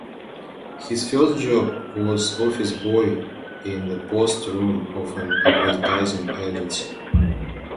His first job was office boy in the post room of an advertising agency.